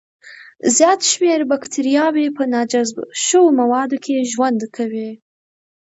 زیات شمېر بکتریاوي په ناجذب شوو موادو کې ژوند کوي.